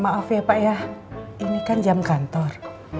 maaf ya pak ya ini kan jam kantor